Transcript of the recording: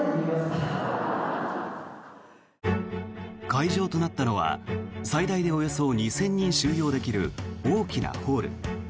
会場となったのは最大でおよそ２０００人収容できる大きなホール。